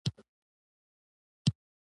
د پوستکي خارښ لپاره د څه شي اوبه وکاروم؟